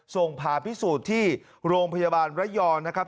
ส่งผ่าพิสูจน์ที่โรงพยาบาลระยองนะครับ